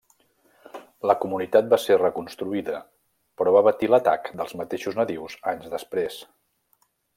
La comunitat va ser reconstruïda, però va patir l'atac dels mateixos nadius anys després.